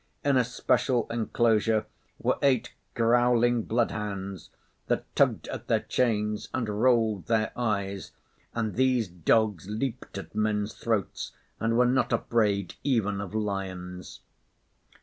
In a special enclosure were eight growling bloodhounds that tugged at their chains and rolled their eyes, and these dogs leaped at men's throats and were not afraid even of lions.